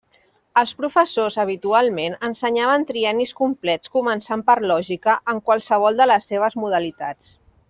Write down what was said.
Els professors, habitualment, ensenyaven triennis complets començant per Lògica en qualssevol de les seves modalitats.